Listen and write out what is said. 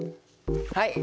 はい。